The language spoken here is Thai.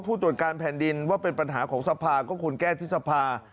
ผู้ตรวจการแผ่นดินว่าเป็นปัญหาของสภาก็ควรแก้ที่สภา